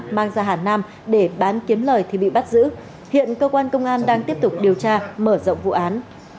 mang ra hà nam để bán kiếm lời thì bị bắt giữ hiện cơ quan công an đang tiếp tục điều tra mở rộng vụ án